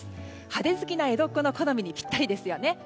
派手好きな江戸っ子の好みにぴったりですよね。